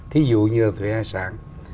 thí dụ như là thuế hải sản